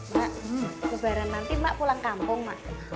mbak kelebaran nanti mbak pulang kampung mbak